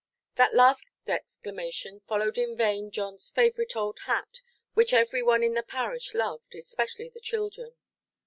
That last exclamation followed in vain Johnʼs favourite old hat, which every one in the parish loved, especially the children.